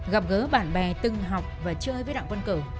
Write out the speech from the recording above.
gặp gỡ bạn bè từng học và chơi với đặng văn cầu